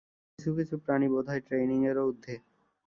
কিছু কিছু প্রাণী বোধ হয় ট্রেইনিংয়ের ঊর্ধ্বে।